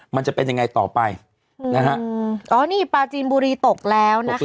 มันจะเป็นยังไงต่อไปอืมนะฮะอ๋อนี่ปลาจีนบุรีตกแล้วนะคะ